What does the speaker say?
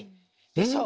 でしょう？